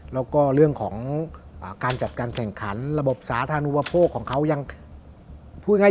และเรื่องของการจัดการแข่งขันระบบสาธารณูปโภคของเขา